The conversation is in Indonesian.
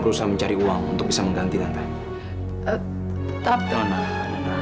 rumah kalian ini kan seperti rumah kendang ayam